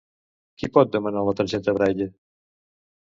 Qui pot demanar la targeta Braille?